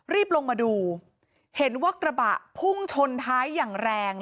รีบลงมาดูเห็นว่ากระบะพุ่งชนท้ายอย่างแรง